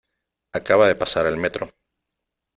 Acaba de pasar el metro.